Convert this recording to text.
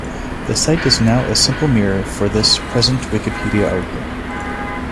The site is now a simple mirror for this present Wikipedia article.